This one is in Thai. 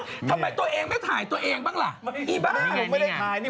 ทำไมตัวเองไม่ถ่ายตัวเองบ้างเหรอ